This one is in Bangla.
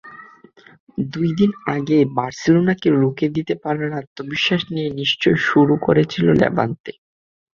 দুই দিন আগেই বার্সেলোনাকে রুখে দিতে পারার আত্মবিশ্বাস নিয়ে নিশ্চয়ই শুরু করেছিল লেভান্তে।